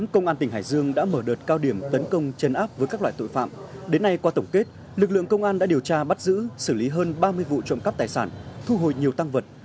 công an tỉnh hải dương đã mở đợt cao điểm tấn công chấn áp với các loại tội phạm đến nay qua tổng kết lực lượng công an đã điều tra bắt giữ xử lý hơn ba mươi vụ trộm cắp tài sản thu hồi nhiều tăng vật